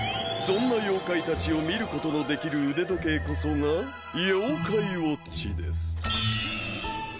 そんな妖怪たちを見ることのできる腕時計こそが妖怪ウォッチです。